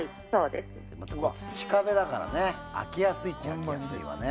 土壁だから開きやすいっちゃ開きやすいわね。